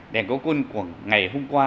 đèn cao quân của ngày hôm qua